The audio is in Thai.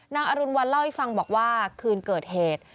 อรุณวันเล่าให้ฟังบอกว่าคืนเกิดเหตุ